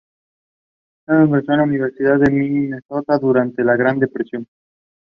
Luego ingresó en la Universidad de Minnesota, durante la Gran Depresión.